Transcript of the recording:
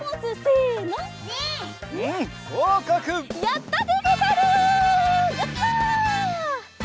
やった！